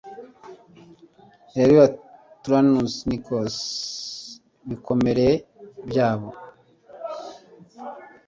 Euryalus Turnus Nisus ibikomere byabo